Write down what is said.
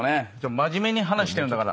真面目に話してるんだから。